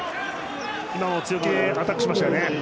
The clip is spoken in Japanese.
今も強気でアタックしましたよね。